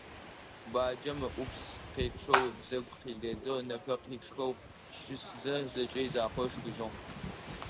Баджэм ыӀупс къечъэу ыбзэгу къилэлэу, ынэхэр къичъхэу щысызэ, зэкӀэ изакъоу ышхыжьыгъ.